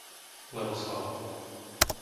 Levoslav